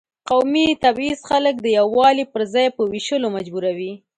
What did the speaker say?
قومي تبعیض خلک د یووالي پر ځای په وېشلو مجبوروي.